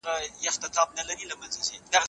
د ترکیې سریالونه څنګه پر افغان کلتور اغېز کوي؟